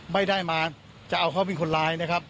ไม่ได้มาจะเอาเขาเป็นคนร้ายนะครับ